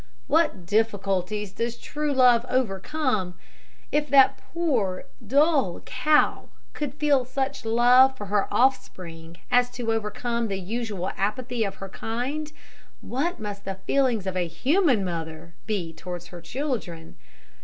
What difficulties does true love overcome! If that poor dull cow could feel such love for her offspring as to overcome the usual apathy of her kind, what must be the feelings of a human mother towards her children!